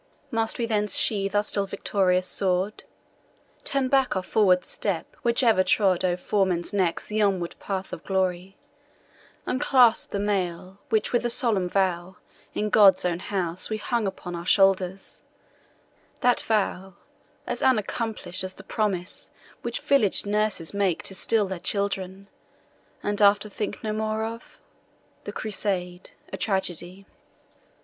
Must we then sheathe our still victorious sword; Turn back our forward step, which ever trod O'er foemen's necks the onward path of glory; Unclasp the mail, which with a solemn vow, In God's own house, we hung upon our shoulders That vow, as unaccomplish'd as the promise Which village nurses make to still their children, And after think no more of? THE CRUSADE, A TRAGEDY.